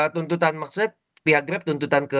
tuntutan maksudnya pihak grab tuntutan ke